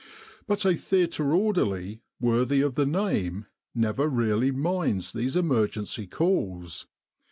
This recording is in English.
But a theatre orderly worthy of the name never really minds these emergency calls.